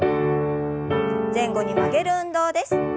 前後に曲げる運動です。